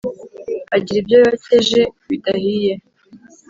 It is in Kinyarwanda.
agira ibyo yokeje bidahiye